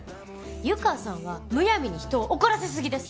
湯川さんはむやみに人を怒らせ過ぎです。